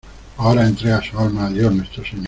ahora entrega su alma a Dios Nuestro Señor.